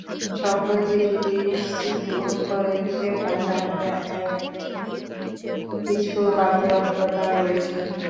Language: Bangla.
সম্পত্তি যদি নিশ্চিত করে দিতে হয়, তাহলে আইনের কিছু বাধ্যবাধকতা রয়েছে।